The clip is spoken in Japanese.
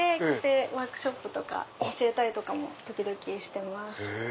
ワークショップとか教えたりとかも時々してます。